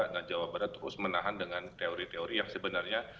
nah jawa barat terus menahan dengan teori teori yang sebenarnya